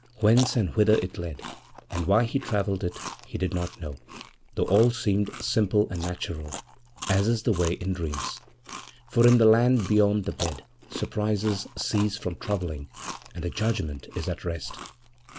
Whence and whither it led, and why he travelled it, he did not know, though all seemed simple and natural, as is the way in dreams; for in the Land Beyond the Bed surprises cease from troubling and the judgment is at rest.